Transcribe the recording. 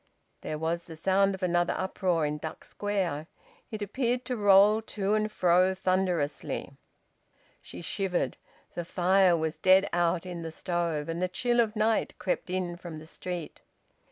There was the sound of another uproar in Duck Square. It appeared to roll to and fro thunderously. She shivered. The fire was dead out in the stove, and the chill of night crept in from the street.